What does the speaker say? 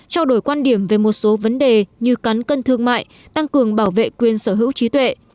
trao đổi quan điểm về một số vấn đề như cắn cân thương mại tăng cường bảo vệ quyền sở hữu trí tuệ